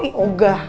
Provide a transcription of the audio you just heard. ih oh gah